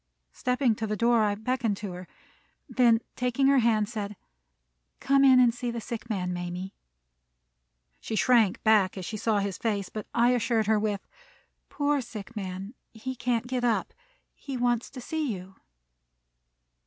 Stepping to the door, I beckoned to her; then, taking her hand, said, "Come in and see the sick man, Mamie." She shrank back as she saw his face, but I assured her with, "Poor sick man! He can't get up; he wants to see you."